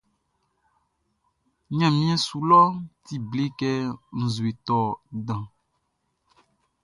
Ɲanmiɛn su lɔʼn ti ble kɛ nzueʼn tɔ danʼn.